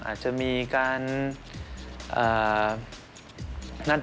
อาจจะมีการนัดเรียกบ้าง